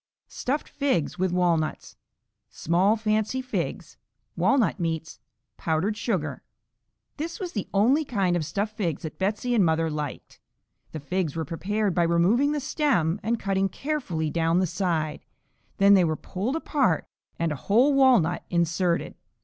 Stuffed Figs with Walnuts Small fancy figs. Walnut meats. Powdered sugar. This was the only kind of stuffed figs that Betsey and mother liked. The figs were prepared by removing the stem and cutting carefully down the side, then they were pulled apart and a whole walnut inserted.